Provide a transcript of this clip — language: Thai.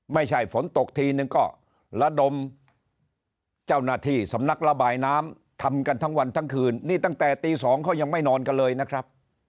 ไม่ใช่ฝนตกทีนึงก็ระดมเจ้าหน้าที่สำนักระบายน้ำทำกันทั้งวันทั้งคืนนี่ตั้งแต่ตีสองเขายังไม่นอนกันเลยนะครับ